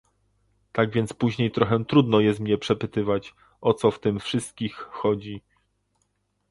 Tak więc później trochę trudno jest mnie przepytywać, o co w tym wszystkich chodzi